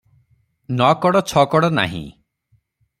ନ କଡ଼ ଛକଡ଼ ନାହିଁ ।